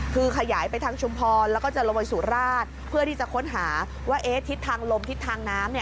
คือขยายไปทางชุมพรแล้วก็จะลงไปสุราชเพื่อที่จะค้นหาว่าทิศทางลมทิศทางน้ำเนี่ย